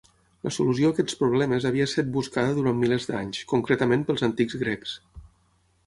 La solució a aquests problemes havia set buscada durant milers d'anys, concretament pels antics grecs.